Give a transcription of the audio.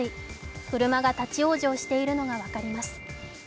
車が立往生しているのが分かります。